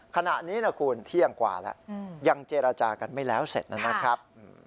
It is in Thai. ขณะนี้นะคุณเที่ยงกว่าแล้วยังเจรจากันไม่แล้วเสร็จนะครับ